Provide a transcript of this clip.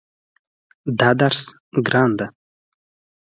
دا درس ګران ده